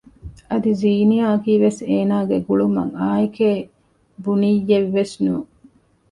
އަދި ޒީނިޔާ އަކީ ވެސް އޭނާގެ ގުޅުމަށް އާއެކޭ ބުނިއްޔެއްވެސް ނޫން